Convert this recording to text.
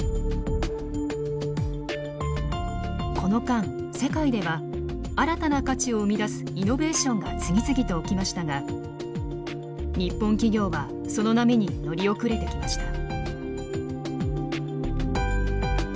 この間世界では新たな価値を生み出すイノベーションが次々と起きましたが日本企業はその波に乗り遅れてきました。